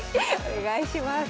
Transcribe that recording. お願いします。